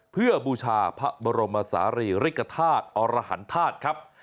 เพื่อบูชาพระบรมศาลีริกฐาตุอรหันธาตุครับ